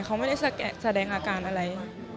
เขาไม่ได้แสดงอาการอะไร